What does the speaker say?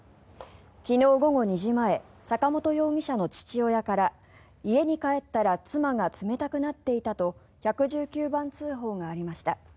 昨日午後２時前坂本容疑者の父親から家に帰ったら妻が冷たくなっていたと１１９番通報がありました。